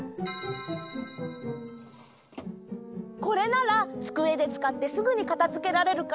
これならつくえでつかってすぐにかたづけられるからわすれなさそう！